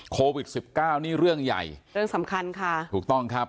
โควิดสิบเก้านี่เรื่องใหญ่เรื่องสำคัญค่ะถูกต้องครับ